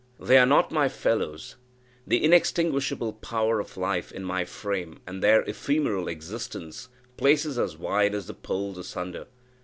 They are not my fellows. The inextinguishable power of life in my frame, and their ephemeral existence, places us wide as the poles asunder.